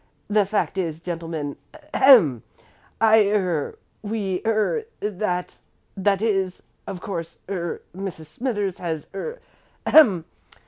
"The fact is, gentlemen ahem! I er we er that is, of course er Mrs. Smithers has er ahem!